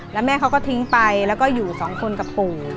แล้วแม่เขาก็ทิ้งไปแล้วก็อยู่สองคนกับปู่